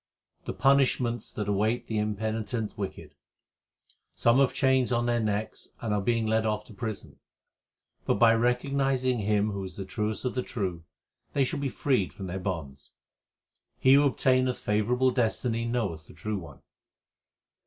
The punishments that await the impenitent wicked : Some have chains on their necks and are being led off to prison ; But by recognizing Him who is the truest of the true, they shall be freed from their bonds. He who obtaineth favourable destiny knoweth the True One.